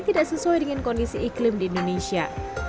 tidak sesuai dengan kondisi iklim di indonesia